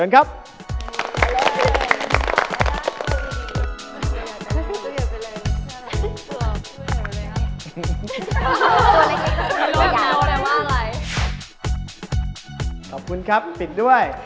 ขอบคุณครับปิดด้วย